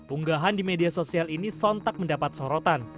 unggahan di media sosial ini sontak mendapat sorotan